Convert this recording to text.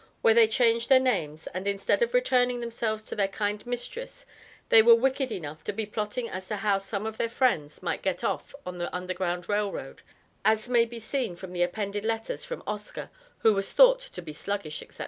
where they changed their names, and instead of returning themselves to their kind mistress they were wicked enough to be plotting as to how some of their friends might get off on the Underground Rail Road, as may be seen from the appended letters from Oscar, who was thought to be sluggish, etc.